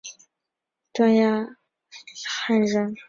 段业汉人。